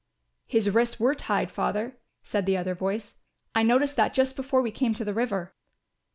"His wrists were tied, Father," said the other voice. "I noticed that just before we came to the river."